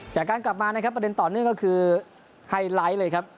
กลับมานะครับประเด็นต่อเนื่องก็คือไฮไลท์เลยครับ